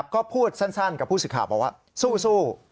ก็พูดสั้นกับผู้สื่อข่าวบอกว่าสู้